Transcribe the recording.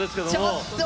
ちょっと。